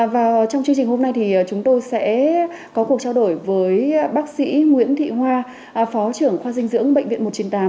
và trong chương trình hôm nay thì chúng tôi sẽ có cuộc trao đổi với bác sĩ nguyễn thị hoa phó trưởng khoa dinh dưỡng bệnh viện một trăm chín mươi tám